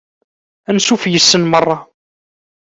Ansuf yes-sen merra.